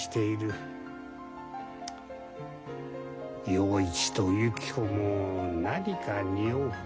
洋一とゆき子も何かにおう。